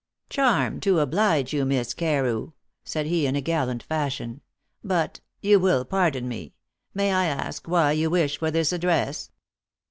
"Charmed to oblige you, Miss Carew," said he in a gallant fashion; "but you will pardon me may I ask why you wish for this address?"